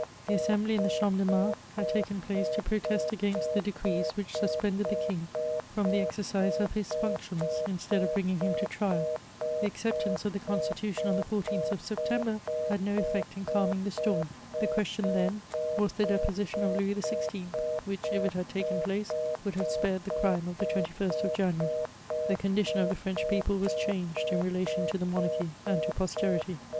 The Assembly in the Champ de Mars had taken place to protest against the decrees which suspended the king from the exeidse of his functions instead of bringing him to trial. The accept ance of the Constitution on the 14fli of Septemb^ had no effect in calming th^ storm. The question then was the deposition CHATEATIBXaAlNI). 317 o£ Lovos XYL, wbichy if it had taken place, would haye spared theciimeof tiie2l8toif Jamiary. The cooditaosi of the French people wasdiangedinrelatkmtDtbemoikarcliyaiidtoposteniy.